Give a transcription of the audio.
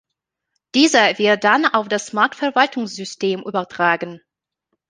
Dieser wird dann auf das Marktverwaltungssystem übertragen.